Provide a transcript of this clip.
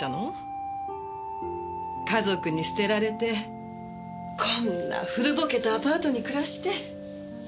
家族に捨てられてこんな古ぼけたアパートに暮らして。